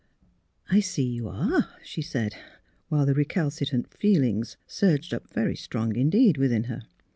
'' I see you are," she said, while the recal citrant feelings '' surged up very strong indeed within her.